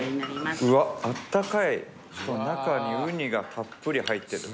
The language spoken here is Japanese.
うわあったかいの中にウニがたっぷり入ってる。